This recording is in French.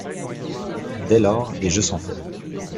Dès lors, les jeux sont faits.